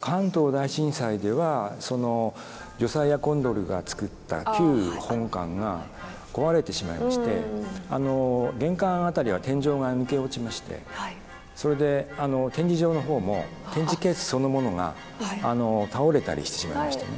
関東大震災ではそのジョサイア・コンドルが作った旧本館が壊れてしまいまして玄関辺りは天井が抜け落ちましてそれで展示場のほうも展示ケースそのものが倒れたりしてしまいましたね。